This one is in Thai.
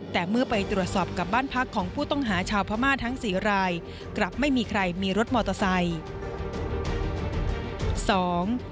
แต่เมื่อไปตรวจสอบกับบ้านพักของผู้ต้องหาชาวพม่าทั้งสี่รายกลับไม่มีใครมีรถมอเตอร์ไซค์